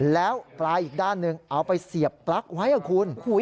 แล้วปลายอีกด้านหนึ่งเอาไปเสียบปลั๊กไว้คุณ